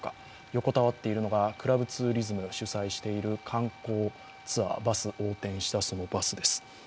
横たわっているのがクラブツーリズム主催している観光ツアーバス、横転したそのバスです。